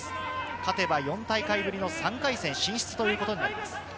勝てば４大会ぶりの３回戦進出となります。